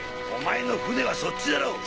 お前の艇はそっちだろ！